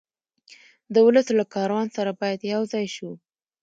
د ولس له کاروان سره باید یو ځای شو.